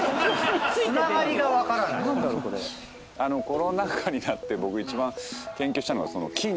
コロナ禍になって僕一番研究したのが。